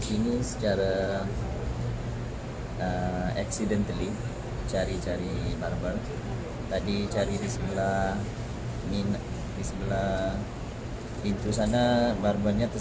ini persunahan nabi